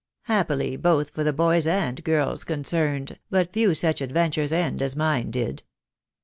Happily both for the boys and girls concerned, but few such adventures end as mine did."